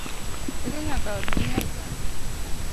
Idhi nyaka odgi nyar kano